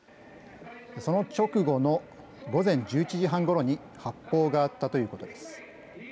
その直後の午前１１時半ごろに発砲があったということです。